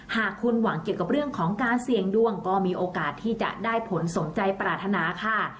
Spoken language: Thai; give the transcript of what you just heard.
หากคุณหวังเกี่ยวกับเรื่องของการเสี่ยงดวงก็มีโอกาสที่จะได้ผลสมใจปรารถนาค่ะ